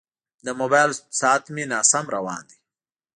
د موبایل ساعت مې ناسم روان دی.